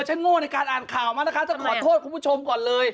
โง่ในการอ่านข่าวมากนะคะต้องขอโทษคุณผู้ชมก่อนเลย